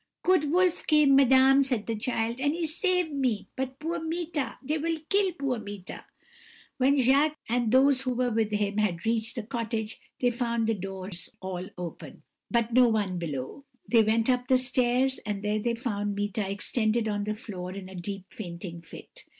"'Good Wolf came, madame,' said the child, 'and he saved me; but poor Meeta they will kill poor Meeta!' "When Jacques and those who were with him had reached the cottage, they found the doors all open, but no one below; they went up the stairs, and there they found Meeta extended on the floor in a deep fainting fit.